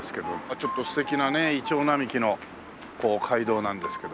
ちょっと素敵なねイチョウ並木の街道なんですけど